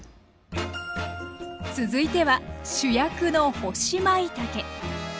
続いては主役の干しまいたけ。